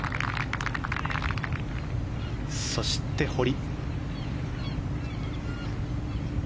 そして、堀。